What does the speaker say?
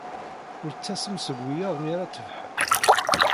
Ur ttasem seg wiyaḍ mi ara tebḥen.